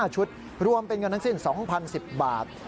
๕ชุดรวมเป็นเงินทั้งสิ้น๒๐๑๐บาท